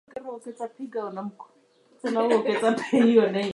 Tower is headquartered in Livonia, Michigan.